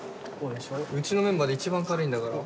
うちのメンバーで一番軽いんだから。